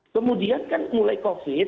kemudian kan mulai covid